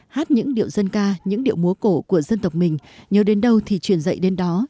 hát những điệu dân ca những điệu múa cổ của dân tộc mình nhớ đến đâu thì truyền dạy đến đó